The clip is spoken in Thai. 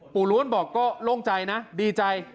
ล้วนบอกก็โล่งใจนะดีใจ